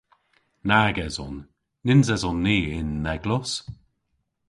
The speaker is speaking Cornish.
Nag eson. Nyns eson ni y'n eglos.